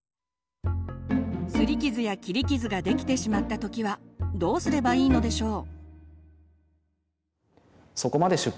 すり傷や切り傷ができてしまった時はどうすればいいのでしょう？